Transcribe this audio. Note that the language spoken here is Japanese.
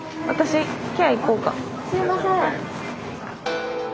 すいません。